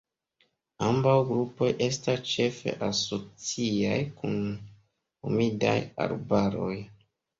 Ambaŭ grupoj estas ĉefe asociaj kun humidaj arbaroj.